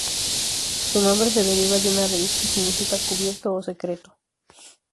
Su nombre se deriva de una raíz que significa "cubierto" o "secreto".